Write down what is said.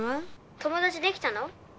友達できたの？